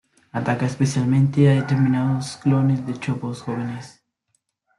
Ataca especialmente a determinados clones de chopos jóvenes.